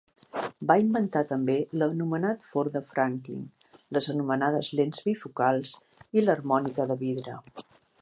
Va inventar també l'anomenat forn de Franklin, les anomenades lents bifocals i l'harmònica de vidre.